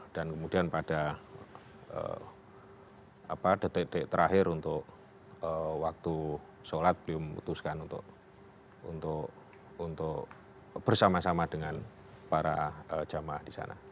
dan kemudian pada detik detik terakhir untuk waktu sholat beliau memutuskan untuk bersama sama dengan para jamaah di sana